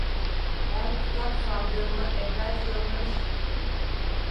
Ben kitap sandığımı evvelce yollamıştım.